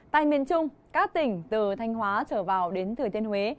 tại miền trung các tỉnh từ thanh hóa trở vào đến thừa thiên huế